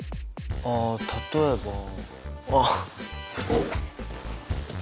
あ例えばあっ！